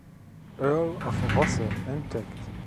Earl of Rosse entdeckt.